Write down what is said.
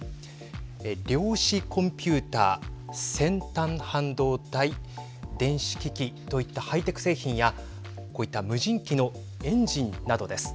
量子コンピューター先端半導体、電子機器といったハイテク製品やこういった無人機のエンジンなどです。